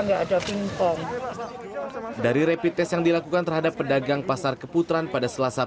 enggak ada ping pong dari repites yang dilakukan terhadap pedagang pasar keputaran pada selasa